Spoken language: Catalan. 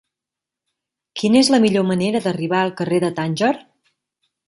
Quina és la millor manera d'arribar al carrer de Tànger?